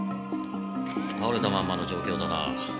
倒れたまんまの状況だな。